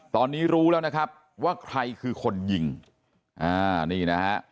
ตอนนี้รู้แล้วนะครับว่าใครคือคนยิงอ่านี่นะฮะ